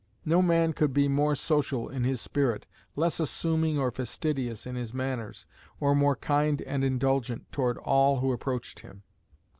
No man could be more social in his spirit, less assuming or fastidious in his manners, or more kind and indulgent toward all who approached him.